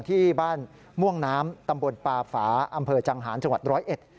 ที่บ้านม่วงน้ำตำบลปาฝาอำเภอจังหาญจังหวัดร้อยเอ็ด